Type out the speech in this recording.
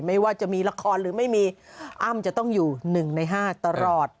ไม่ว่าจะมีละครหรือไม่มีอ้ำจะต้องอยู่๑ใน๕ตลอด